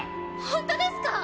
本当ですか！？